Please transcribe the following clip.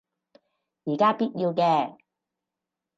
而家必須要嘅